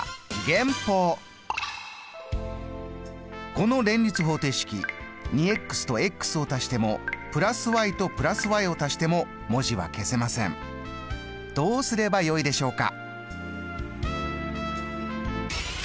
この連立方程式２とを足しても＋と＋を足しても文字は消せませんどうすればよいでしょうか。